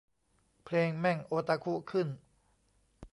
เพลงแม่งโอตาคุขึ้น